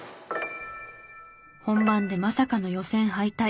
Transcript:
本番でまさかの予選敗退。